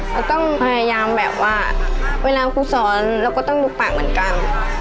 เราต้องพยายามแบบว่าเวลาครูสอนเราก็ต้องลุกปากเหมือนกัน